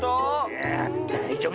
いやあだいじょうぶだ。